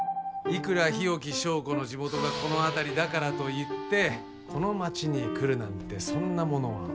いくら日置昭子の地元がこの辺りだからといってこの町に来るなんてそんなものは妄想だ